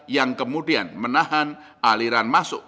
yang kemudian menahan aliran masuk